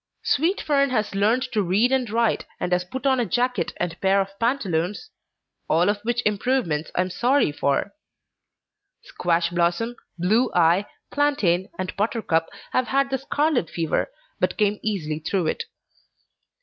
Sweet Fern has learned to read and write, and has put on a jacket and pair of pantaloons all of which improvements I am sorry for. Squash Blossom, Blue Eye, Plantain, and Buttercup have had the scarlet fever, but came easily through it.